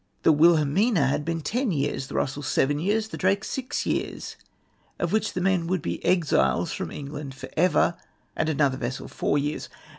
The Wllhelmina had been ten years, the Russell seven years, the Drake six years, of which the men would be exiles from England for ever, and another vessel four years.